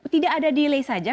tidak ada delay saja